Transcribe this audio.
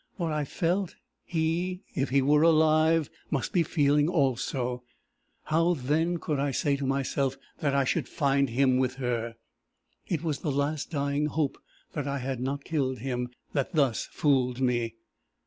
What I felt, he, if he were alive, must be feeling also: how then could I say to myself that I should find him with her? It was the last dying hope that I had not killed him that thus fooled me.